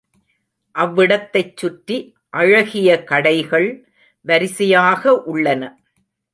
அவ்விடத்தைச் சுற்றி அழகிய கடைகள் வரிசையாக உள்ளன.